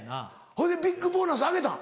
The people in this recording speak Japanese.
ほいでビッグボーナスあげたん？